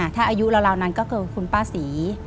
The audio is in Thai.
ถ้าอายุราวนั้นก็คือคุณป้าศรี